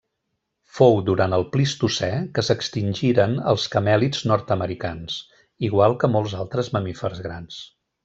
Fou durant el Plistocè que s'extingiren els camèlids nord-americans, igual que molts altres mamífers grans.